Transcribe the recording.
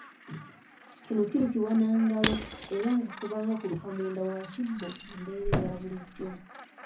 Kino kirukibwa na ngalo era nga kuba nga kuluka munda wa kibbo mu mbeera eyaabulijjo.